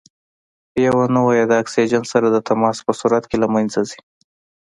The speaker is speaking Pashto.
یوه نوعه یې د اکسیجن سره د تماس په صورت کې له منځه ځي.